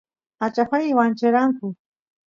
machajuay wancheranku